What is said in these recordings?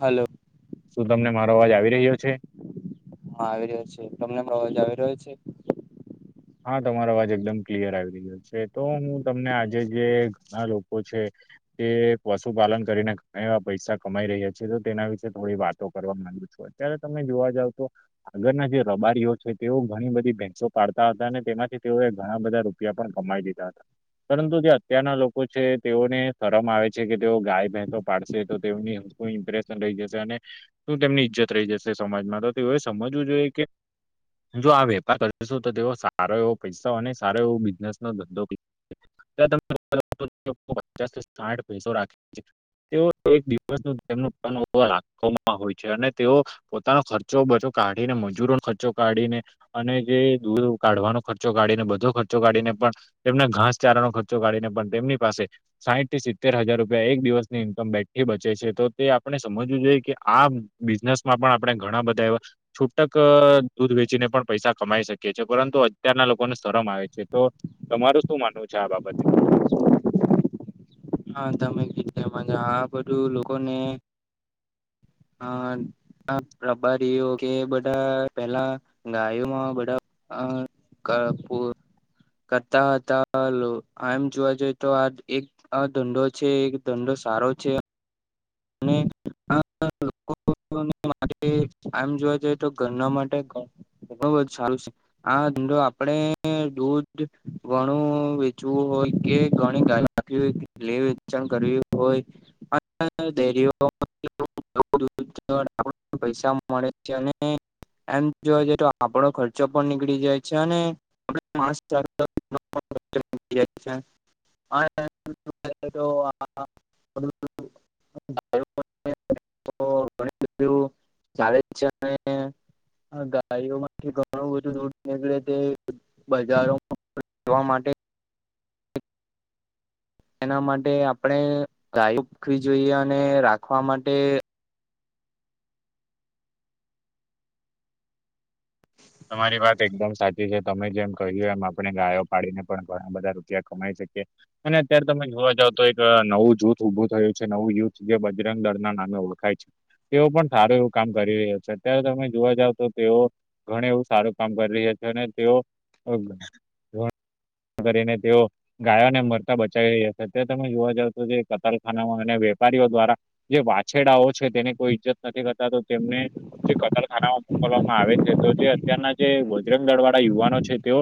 Hello શું તમને મારો અવાજ આવી રહ્યો છે? હહ આવી રહ્યો છે. તમને મારો અવાજ આવી રહ્યો છે? હા તમારો અવાજ એકદમ ક્લિયર આવી રહ્યો છે. તો હું તમને આજે જે ઘણા લોકો છે. તે પશુપાલન કરીને ઘણા એવા પૈસા કમાઈ રહ્યા છે તો તેના વિશે થોડી વાતો કરવા માંગુ છું. અત્યારે તમે જોવા જાવ તો આગળના જે રબારીઓ છે તેઓ ઘણી બધી ભેંસો પાડ તા હતા ને તેનાથી તેઓએ ઘણા બધા રૂપિયા પણ કમાઈ લીધા હતા. પરંતુ જે અત્યારના લોકો છે તેઓને શરમ આવે છે, કે તેઓ ગાય, ભેંસો પાળશે તો તેઓની શું ઇમ્પ્રેશન રહી જશે, અને શું તેમની ઈજ્જત રહી જશે સમાજમાં, તો તેઓએ સમજવું જોઈએ કે જો આ વેપાર કરીશું, તો તેઓ સારો એવો પૈસા અને સારો એવો બિઝનેસનો ધંધો તો તમે [inaudible] પચાસથી સાઠ પૈસો રાખે છે. તેઓ એક દિવસનું તેમનું [inaudible] રાખવામાં હોય છે. અને તેઓ પોતાનો ખર્ચો બધો કાઢીને, મજૂરોનો ખર્ચો કાઢીને અને જે દૂધ એવો કાઢવાનો ખર્ચો કાઢીને બધો ખર્ચો કાઢીને પણ તેમના ઘાસચારાનો ખર્ચો કાઢીને પણ તેમની પાસે સાહીઠથી સિત્તેર હજાર રૂપિયા એક દિવસની ઇન્કમ બેઠી બચે છે, તો તે આપણે સમજવું જોઈએ, કે આ બિઝનેસમાં પણ આપણે ઘણા બધા એવા છૂટક દૂધ વેચીને પણ પૈસા કમાઈ શક કીએ છે. પરંતુ અત્યારના લોકોને શરમ આવે છે. તો તમારું શું માનવું છે આ બાબતે? હા તમેં કીધું એમજ આ બધું લોકોને હહ હહ રબારીઓ કે બધા પેલા ગાયોમાં બધા અ કપૂર કરતા હતા આ લોક એમ જોવા જઈએ તો આ એક આ ધંંધો છે, એક ધંધો સારો છે. અને આ લોકોને મારે આમ જોવા જઈએ, તો ઘરના માટે બરોબર સારું છે. હા તો, આપડે દૂધ ઘણું વેચવું હોય કે ઘણી ગાયો રા હોય કેટલુ વેચાણ કરવી હોય. [inaudible] ડેરીઓ પૈસા મળે છે અને એમ જોવા જઈએ તો આપણો ખર્ચો પણ નીકળી જાય છે, અને આપ માસ ચ [inaudible] બધું ચાલે છે આ ગાડીઓમાંથી ઘણું બધું દૂર નીકળે તે બજારોમાં જોવા માટે એના માટે આપણે ગાયો પખવી જોઈએ અને રાખવા માટે તમારી વાત એકદમ સાચી છે. તમે જેમ કહ્યું એમ આપણે ગાયો પાળીને પણ ઘણા બધા રૂપિયા કમાઈ શકીએ. અને અત્યારે તમે જોવા જાવ, તો એક નવું જૂથ ઊભું થયું છે નવું યુથ જે બજરંગ દળ ના નામે ઓળખાય છે. તેઓ પણ સારું એવું કામ કરી રહ્યો છે. અત્યારે તમે જોવા જાઓ તો તેઓ ઘણી એવું સારું કામ કરી રહ્યા છે. અને તેઓ કરીને તેઓ ગાયોને મરતા બચાવી રહ્યા છે. તે તમે જોવા જાવ તો જે કતારખાનામાં અને વેપારીઓ દ્વારા જે વાછરડાઓ છે તેને કોઈ ઈજ્જત નથી કરતા, તો તેમને કતરખાનામાં મોકલવામાં આવે. તો જે અત્યારના જે બજરંગ દળ વાળા યુવાનો છે. તેઓ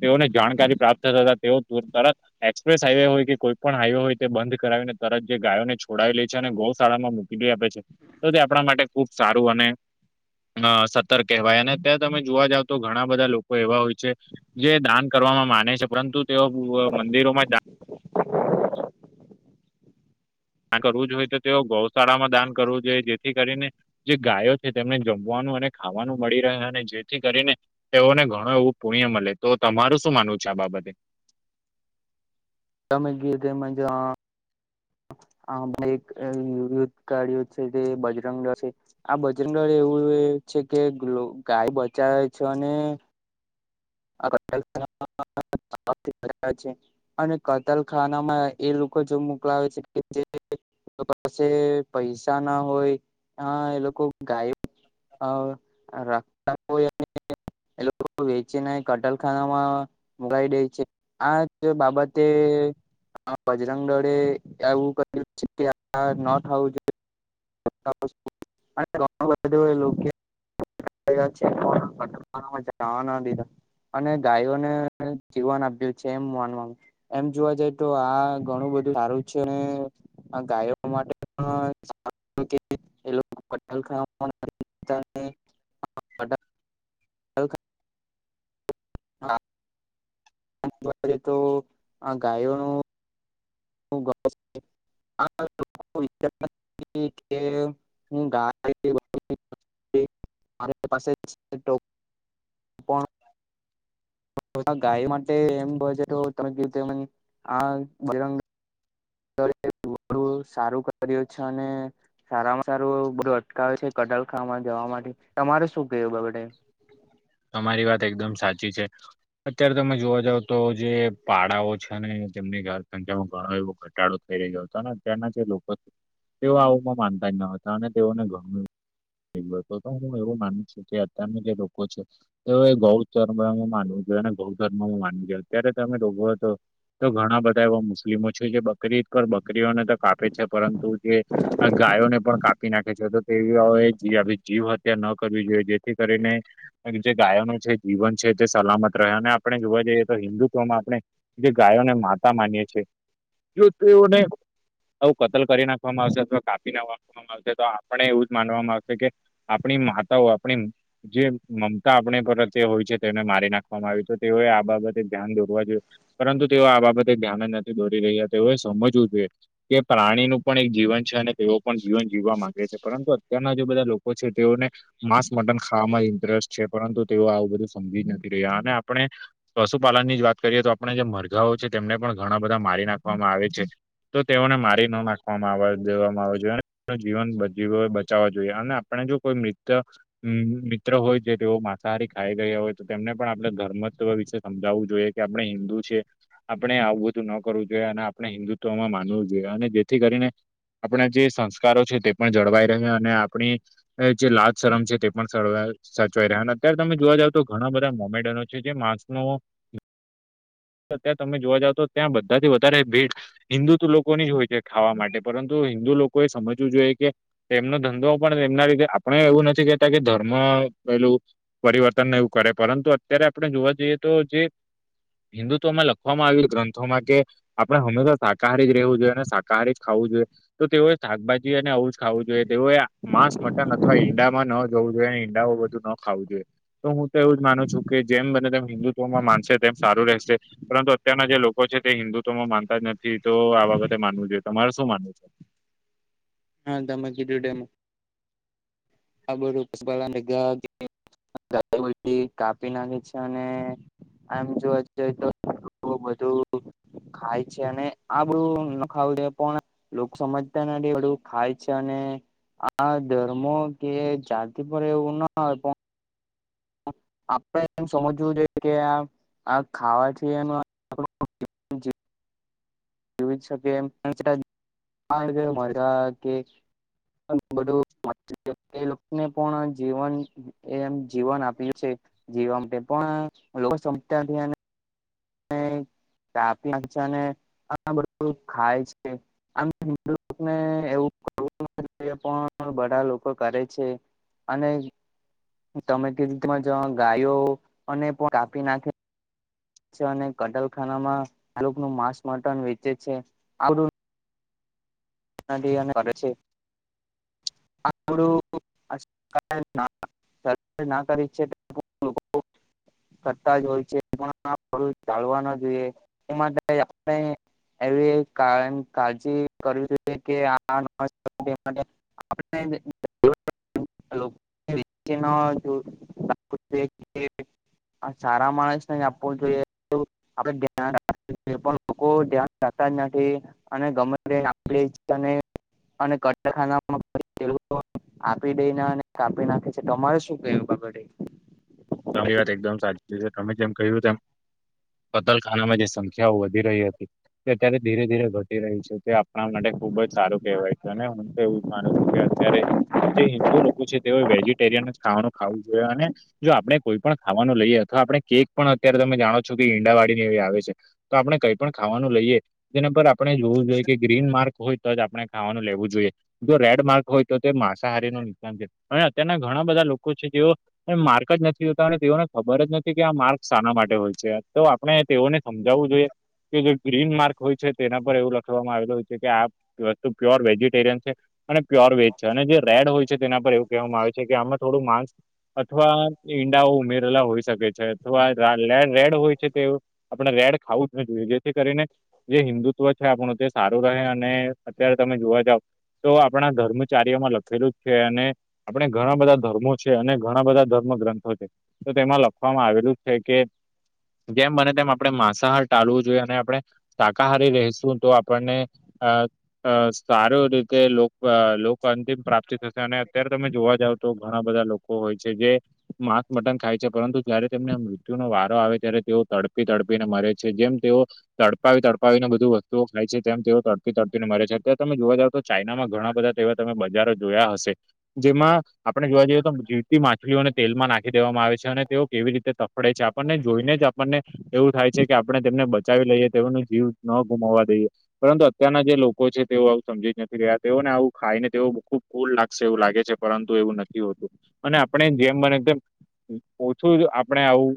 તેઓને જાણકારી પ્રાપ્ત થતા તેઓ તરત એક્સપ્રેસ હાઈવે હોય કે કોઈ પણ હાઈવે હોય તે બંધ કરાવીને તરત જે ગાયોને છોડાવી લે છે. અને ગૌશાળામાં આપે છે, તો તે આપણા માટે ખુબ સારું અને સતર્ક કહેવાય અને અત્યારે તમે જોવા જાવ તો ઘણા બધા લોકો એવા હોય છે. જે દાન કરવામાં માને છે, પરંતુ તેઓ મંદિરોમાં જા આ કરવું જોઈએ તો તેઓ ગૌશાળામાં દાન કરવું જોઈએ જેથી કરીને જે ગાયો છે તેમને જમવાનું અને ખાવાનું મળી રહે અને જેથી કરીને તેઓને ઘણું એવું પુણ્ય મળે, તો તમારું શું માનવું છે આ બાબતે. તમે ગીતે મજા આ એક યુદ્ધ કાઢયુ છે, તે બજરંગદળ છે. આ બજરંગદળ એવું છે, કે ગાય બચાવ છે અને કરતાં છે. અને કતલખાના માં એ લોકો જો મોકલાવે છે, કે જે પાસે પૈસા ના હોય ત્યાં એ લોકો ગાયો [unintelligible] એ [unintelligible] કટલખાનામાં મુગી દે છે આ બાબતે હ બજરંગ દળે એવું કર્યું છે કે આ ન થવું જોઈએ. [unintelligible] [unintelligible] અને ગાયોને જીવન આપ્યું છે એમ માન એમ જોવા જાય તો આ ઘણું બધું સારું છે. [unintelligible] તને. [unintelligible] ગાયોનું [unintelligible] [unintelligible] વિચાર કે હુ [unintelligible] [inaudible] ગાય માટે એમ બય છે તો તમે કું આ. [unintelligible] સારું કર્યું છે અને સારામાં સારું બધું અટકાવે છે કટલખામાં જવા માટે. તમારે શું કેવુ બાબતે? તમારી વાત એકદમ સાચી છે. અત્યારે તમે જોવા જાવ તો જે પાડાઓ છે ને તેમની ઘર સંખ્યામાં ઘણો એવો કર ઘટાડો થઈ રહ્યો હતો ને અત્યારના જે લોકો તેઓ આવુંમાં માનતા જ ન હતા અને તેઓને ઘણું તો તો હું એવું માનું છું કે અત્યારના જે લોકો છે. તો ગૌચર્મ માનવું જોઈએ અને ગૌ ધર્મું માનવું જોઈએ અત્યારે તમે જોવો તો તો ઘણા બધા એવા મુસ્લિમો છે જે બકરીદ કર બકરીઓને તો કાપે છે પરંતુ જે આ ગાયોને પણ કાપી નાખે છે. તો તે જીવ હત્યા ન કરવી જોઈએ. કરીને કા કી ગાયનો છે જીવન છે તે સલામત રહે અને આપણે જોવા જઈએ તો હિન્દુત્વમાં આપણે જે ગાયોને માતા માનીએ છે. જો તેઓને આવું કત્લ કરી નાખવામાં આવશે અથવા કાપી નાખવામાં તો આપણે એવું જ માનવામાં આવશે કે આપણી માતાઓ આપણી જે મમતા આપણે પરત્ય હોય છે તેમને મારી નાખવામાં આવી તો તેઓએ આ બાબતે ધ્યાન દોરવા જોયે. પરંતુ તેઓ આ બાબતે ધ્યાને નથી દોરી રહ્યા તેઓએ સમજવું જોઈએ. તે પ્રાણીનું પણ એક જીવન છે અને તેઓ પણ જીવન જીવવા માંગે છે પરંતુ અત્યારના જે બધા લોકો છે તેઓને માંસ મટન ખાવામાં ઇન્ટરેસ્ટ છે પરંતુ તેઓ આવું બધું સમજી જ નથી રહ્યા અને આપણે પશુપાલનની જ વાત કરીએ તો આપણે જે મરઘાઓ છે તેમને પણ ઘણા બધા મારી નાખવામાં આવે છે. તો તેઓને મારી ન નાખવામાં આવે દેવામાં આવે જોઈએ અને જીવન બચાવવા જોઈએ અને આપણે જો કોઈ મિત્ર હ મિત્ર હોય જે તેઓ માસાહારી ખાઈ ગયા હોય તો તેમને પણ આપણે ઘર્મત્વ વિશે હમજાવવું જોઈએ કે આપણે હિન્દુ છે. આપણે આવું બધું ન કરવું જોઈએ અને આપણે હિન્દુત્વમાં માનવું જોઈએ અને જેથી કરીને આપણા જે સંસ્કારો છે તે પણ જળવાઈ રહે અને આપણી જે લાજ શરમ છે તે પણ સડ સચવાઈ રહ્યા અત્યારે તમે જોવા જાવ તો ઘણા બધા મોમેડીયન છે જે માસનુ અત્યાર તમે જોવા જાવ તો ત્યાં બધાથી વધારે ભીડ હિન્દુતો લોકોની જ હોય છે ખાવા માટે પરંતુ હિન્દુ લોકો એ સમજવું જોઈએ કે એમનો ધંધો પણ એમના રીતે આપણે એવું નથી કેહેતા કે ધર્મ પેલું પરિવર્તનને એવું કરે પરંતુ અત્યારે આપણે જોવા જઈએ તો જે હિન્દુત્વમાં લખવામાં આવી ગ્રંથોમાં કે આપડે હંમેશા શાકાહારી જ રહેવું જોઈએ અને શાકાહારી જ ખાવું જોઈએ. તો તેઓએ શાકભાજી અને આવું જ ખાવું જોઈએ તેઓએ માંસ મટન અથવા ઈંડામાં ન જોવું જોઈએ. ઈડા બધું ન ખાવું જોઈએ. તો હું તો એવું જ માનું છું કે જેમ બને તેમ હિન્દુત્વમાં માનશે તેમ સારું રહેશે. પરંતુ અત્યારના જે લોકો છે તે હિન્દુત્વમાં માનતા જ નથી તો આ વખતે માનવું જોઈએ તમારે શું માનવું છે. હા તમે કિધુ ડેમો. આ બું કાપી ના [inaudible] ખ છે અને આમ જોવા જઈએ તો બધું. ખાય છે અને આ બધું ન ખાવું દે પણ લોકો સમજતા નથી બઘું ખાય છે અને આ ધર્મો. કે જાતી પર એવું ના હોય પણ. આપડે એમ સમજવું જોએ કે આ આ ખાવા થી એમા. જોવી શકે એમ કે [inaudible] [unintelligible] બધું એને પણ જીવન એમ જીવન આપ્યું છે જીવવા માટે પણ લોકો સમજાતા અને ‌. [unintelligible] ીચાને [inaudible] આ બધું ખાય છે આમ [unintelligible] ને એવું [unintelligible] પણ બધા લોકો કરે છે અને તમે કે રીતેમાં જ ગાયો અને પણ કાપી નાખે અને કટલખાનામાં આલોક નું માંસ મટન વેચે છે આવડું [unintelligible] ન અને છેું સર ના કરી છે [unintelligible] કરતા જ હોય છે પણ [unintelligible] ચાલવા ના જોઈએ એ માટે આપણે એવી કાળ કાળજી કરવી જોઈ [unintelligible] [unintelligible] આ સારા માણસ ને આપવુ જોઈએ [unintelligible] આપડે પણ લોકો ધ્યાન રાખતા જ નથી અને ગમે તે આપી અને અને કટલખાનામાં આપી દે ના અને કાપી નાખે છે તમારે શું ક્યું બાબતે? તમારી વાત એકદમ સાચી છે તમે જેમ કહ્યું તેમ કતલખાના માં જે સંખ્યાઓ વધી રહી હતી તે અત્યારે ધીરે ધીરે ઘટી રહી છે તે આપણા માટે ખુબ જ સારું કહેવાય છે અને એવું જ માનું છું કે અત્યારે જે હિન્દુ લોકો છે તેઓ વેજીિટેરિયન જ ખાવાનું ખાવું જોઈએ અને જો આપણે કોઈ પણ ખાવાનું લઈએ અથવા આપણે કેક પણ અત્યારે તમે જાણો છો કે ઈંડાવાડી ને એવી આવે છે. તો આપડે કઈ પણ ખાવાનું લઈએ તેના પર આપણે જોવું જોઈએ કે ગ્રીન માર્ક હોય તો જ આપણે ખાવાનું લેવું જોઈએ જો રેડ માર્ક હોય તો તે માસાહારી નો ની સાન છે હવે અત્યારના ઘણા બધા લોકો છે જેઓ માર્ક જ નથી હોતા અને તેઓને ખબર જ નથી કે આ માર્ક શાના માટે હોય છે તો આપણે તેઓને સમજાવું જોઈએ કે જે ગ્રીન માર્ક હોય છે તેના પર એવું લખવામાં આવે હોય છે કે આ વસ્તુ પ્યોર વેજીિટેરિયન છે. અને પ્યોર વેજ છે અને જે રેડ હોય છે તેના પર એવું કહેવામાં આવે છે કે આમાં થોડું માંસ અથવા ઈંડાઓ ઉમેરેલા હોય શકે છે તો આ રા રેડ હોય છે તે આપડણે રેડ ખાવું જો જેથી કરીને જે હિન્દુત્વ છે આપણું તે સારું રહે અને અત્યારે તમે જોવા જાવ તો આપણા ધર્મ ચાર્ય માં લખેલું છે અને આપણે ઘણા બધા ધર્મો છે અને ઘણા બધા ધર્મ ગ્રંથ તો તેમાં લખવામાં આવેલું છે કે જેમ બને તેમ આપણે માંસાહાર ટાલવું જોઈએ અને આપણે શાકાહારી રશું તો આપણને હા અ સારુ રીતે લોક લોક અંતિમ પ્રાપ્તિ થશે અને અત્યારે તમે જોવા જાવ તો ઘણા બધા લોકો હોય છે જે માસ મટન ખાય છે પરંતુ જયારે તેમને મૃત્યુનો વારો આવે ત્યારે તેઓ તડપી તડપીને મરે છે જેમ તેઓ તડપાવી તડપાવીને બધું વસ્તુઓ ખાય છે તેમ તેઓ તડપી તડપને મરે છે અત્યારે તમે જોવા જાવ તો ચાઈનામાં ઘણા બધા તેવા તમે બજારો જોયા હશે જેમાં આપણેે જોવા જઈએ તો જીવતી માછલીઓને તેલમાં નાખી દેવામાં આવે છે અને તેઓ કેવી રીતે તફડે છે આપણને જોઈને જ આપણને એવું થાય છે કે આપણે તેમને બચાવી લઈએ તેઓનું જીવ ન ગુમાવવા દઈએ પરંતુ અત્યારના જે લોકો છે તેઓ આવું સમજી જ નથી રહ્યા તેઓને આવું ખાય ને તેઓ ખૂબ કુલ લાગશે એવું લાગે છે, પરંતુ એવું નથી હોતું અને આપણે જેમ બને તેમ ઓછું જ આપણે આવું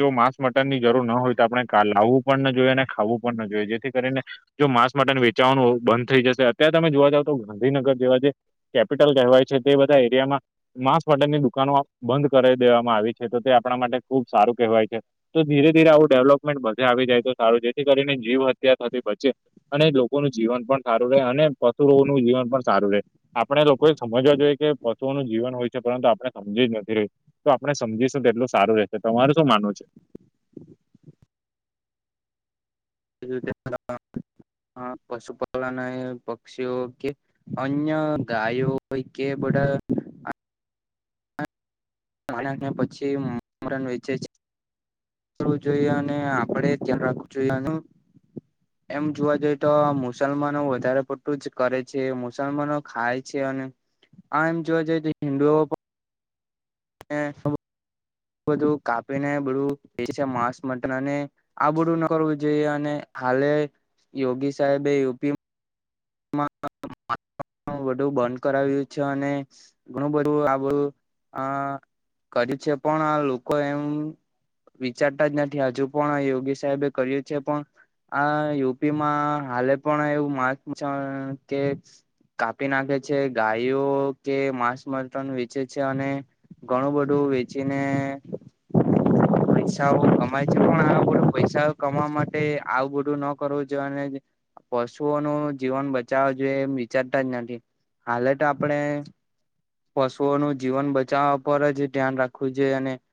જો માંસ મટન ની જરૂર ન હોય તો આપણે લાવવું પણ ન જોઈએ અને ખાવું પણ ન જોઈએ જેથી કરીને- - જો માસ માટે વેચાવાનું બંધ થઈ જશે અત્યારે તમે જોવા જાવ તો ગાંધીનગર જેવા જે- - કેપિટલ કહેવાય છે તે બધા એરિયામાં માંસ માટન ની દુકાનો બંધ કરી દેવામાં આવી છે તો તે આપણા માટે ખુબ સારું કહેવાય છે. તો ધીરે ધીરે આવું ડેવલપમેન્ટ વધે આવી જાય તો સારું જેથી કરીને જીવ હત્યા થતી બચે અને લોકોનું જીવન પણ સારું રહે અને પશુરોનું જીવન પણ સારું રહે આપણે લોકો સમજવા જોઈએ કે પશુઓનું જીવન હોય છે પરંતુ આપણે સમજી જ નથી- - તો આપડણે સમજીશું તો એટલું સારું રહેશે તમારુ શું માનવું છે? [unintelligible] પશુપાલન એ પક્ષીઓ કે- - અન્ય ગાયોઈ કે બડા- - ના પછી મટન વેચે છે- - કરવું જોઈએ અને આપડે ધ્યાન રાખવું જોઈએ- - એમ જોવા જઈએ તો મુસલમાનો વધારે પડતું જ કરે છે મુસલમાનો- - ખાય છે અને આ એમ જોવા જઈએ તો હિન્દુઓ પણ- - એ નુ. બધું કાપીને બધું એ છે માંસ મટર અને- - આ બધું ન કરવું જોઈએ અને હાલે યોગી સાહેબે યુપી- - મા [unintelligible] બું બંધ કરાવ્યું છે અને ઘણું બધું આ બધું આ- - કરી છે પણ આ લોકો એમ- - વિચારતા જ નથી હજુ પણ યોગી સાહેબે કર્યું છે પણ- - આ યુપી માં હાલે પણ એવું માગ છે કે- - કાપી નાખે છે ગાયઓ કે માંસ મટ વેચે છે અને- - ઘણું બધું વેચીને- - પૈસાઓ કમાય છે પણ આ બ પૈસા કમાવા માટે આવું બધું ન કરવું જોઈએ અને- - પશુઓ ન જીવન બચાવવા જોઈએ એમ વિચારતા જ નથી હાલે તો આપડે- - પશુઓનું જીવન બચાવવા પર જ ધ્યાન રાખવું જોઈએ અને- -